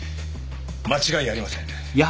間違いありません。